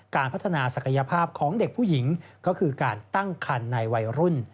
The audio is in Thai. การพัฒนาศักยภาพของเด็กผู้หญิงก็คือการตั้งคันในวัยรุ่น